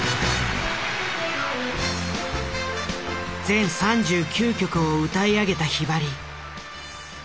全３９曲を歌い上げたひばり。